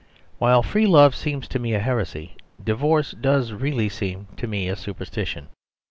While free love seems to me a heresy, divorce does really seem to me a superstition.